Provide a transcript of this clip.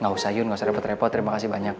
gausah yun gausah repot repot terimakasih banyak